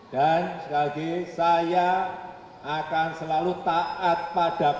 dan sekali lagi saya akan selalu taat pada perintah